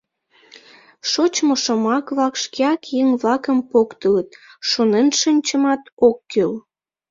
Шочшо шомак-влак шкеак еҥ-влакым поктылыт, шонен шинчымат ок кӱл.